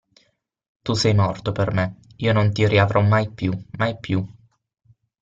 Tu sei morto per me, io non ti riavrò mai più, mai più.